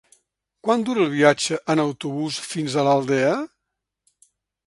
Quant dura el viatge en autobús fins a l'Aldea?